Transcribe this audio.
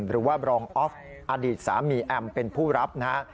รองออฟอดีตสามีแอมเป็นผู้รับนะฮะ